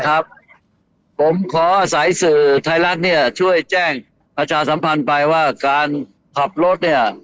ครับผมขออาศัยสื่อไทยรัฐเนี่ยช่วยแจ้งประชาสัมพันธ์ไปว่าการขับรถเนี่ย